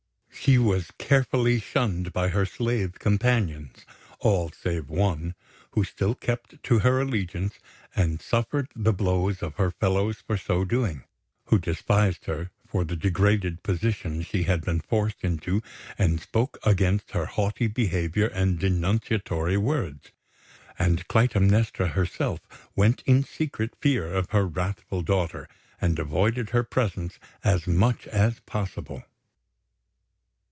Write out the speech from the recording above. She was carefully shunned by her slave companions all save one, who still kept to her allegiance and suffered the blows of her fellows for so doing who despised her for the degraded position she had been forced into, and spoke against her haughty behaviour and denunciatory words; and Clytemnestra herself went in secret fear of her wrathful daughter, and avoided her presence as much as possible.